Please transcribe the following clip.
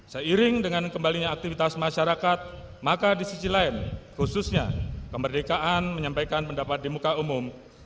seiring dengan kembalinya aktivitas masyarakat maka di sisi lain khususnya kemerdekaan menyampaikan pendapat di muka umum